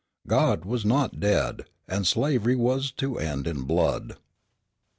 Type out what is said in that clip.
God was not dead, and slavery was to end in blood. IX.